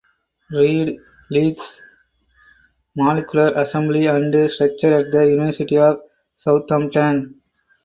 Reid leads molecular assembly and structure at the University of Southampton.